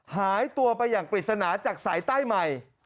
หายตัวไปอย่างปฏิสนาธิตัวจากสายได้ใหม่